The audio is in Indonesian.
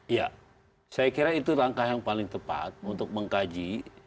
ya saya kira itu langkah yang paling tepat untuk mengkaji